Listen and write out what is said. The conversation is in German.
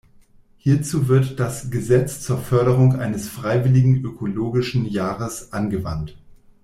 Hierzu wird das „Gesetz zur Förderung eines freiwilligen ökologischen Jahres“ angewandt.